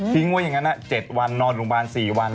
ไว้อย่างนั้น๗วันนอนโรงพยาบาล๔วัน